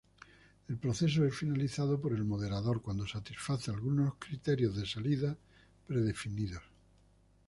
El proceso es finalizado por el moderador cuando satisface algunos criterios de salida predefinidos.